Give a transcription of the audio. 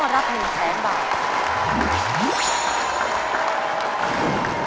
รับ๑๐๐๐บาท